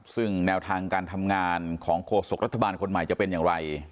ซึ่งแนวทางการทำงานของโฆษกรัฐบาลคนใหม่จะเป็นอย่างไร